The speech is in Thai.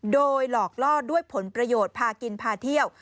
โดยหลอกล่อด้วยผลประโยชน์พากินพาเที่ยว